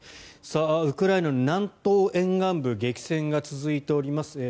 ウクライナの南東沿岸部激戦が続いております。